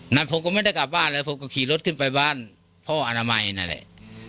นั้นผมก็ไม่ได้กลับบ้านเลยผมก็ขี่รถขึ้นไปบ้านพ่ออนามัยนั่นแหละ